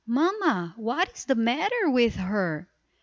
"Mamma, what is the matter with her?